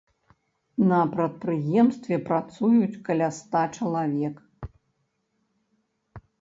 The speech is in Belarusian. На прадпрыемстве працуюць каля ста чалавек.